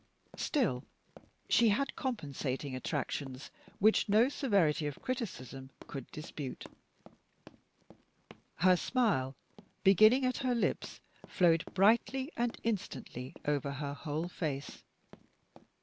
Still, she had compensating attractions which no severity of criticism could dispute. Her smile, beginning at her lips, flowed brightly and instantly over her whole face.